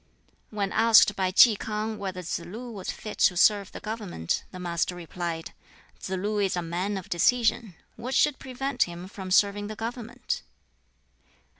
When asked by Ki K'ang whether Tsz lu was fit to serve the government, the Master replied, "Tsz lu is a man of decision: what should prevent him from serving the government?"